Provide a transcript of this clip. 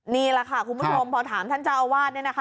นี่ล่ะค่ะครูผุมธมพอถามท่านเจ้าวาดนะคะ